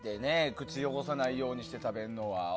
口汚さないようにして食べるのは。